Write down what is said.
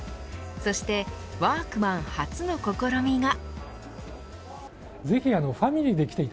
そしてワークマン初の試みが。